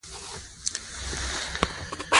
په پښتني دود کې د مالګې ډوډۍ قدر لري.